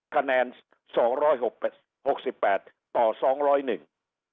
คะแนนสองร้อยหกแปดหกสิบแปดต่อสองร้อยหนึ่ง